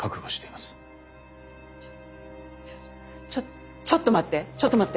ちょちょっとちょっと待ってちょっと待って。